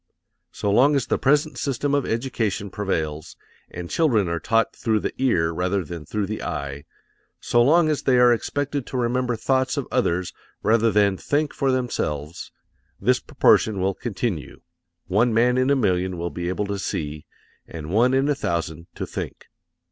So long as the present system of education prevails and children are taught through the ear rather than through the eye, so long as they are expected to remember thoughts of others rather than think for themselves, this proportion will continue one man in a million will be able to see, and one in a thousand to think.